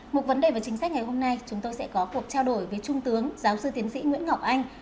một vấn đề về chính sách ngày hôm nay chúng tôi sẽ có cuộc trao đổi với trung tướng giáo sư tiến sĩ nguyễn ngọc anh